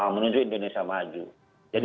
menuju indonesia maju jadi